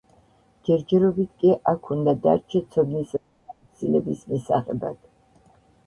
ჯერჯერობით კი აქ უნდა დარჩე ცოდნისა და გამოცდილების მისაღებად.